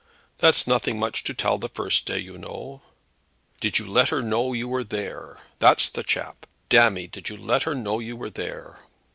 "That's nothing much to tell the first day, you know." "Did you let her know you were there? That's the chat. Damme, did you let her know you were there?"